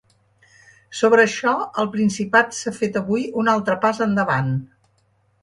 Sobre això, al Principat s’ha fet avui un altre pas endavant.